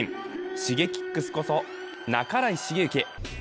Ｓｈｉｇｅｋｉｘこと半井重幸。